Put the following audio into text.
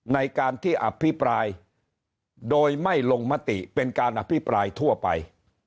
ในการที่อภิปรายโดยไม่ลงมติเป็นการอภิปรายทั่วไป